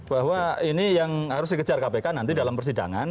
bahwa ini yang harus dikejar kpk nanti dalam persidangan